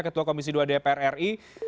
ketua komisi dua dpr ri